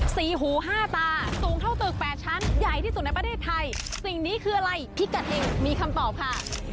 หูห้าตาสูงเท่าตึกแปดชั้นใหญ่ที่สุดในประเทศไทยสิ่งนี้คืออะไรพิกัดเห็งมีคำตอบค่ะ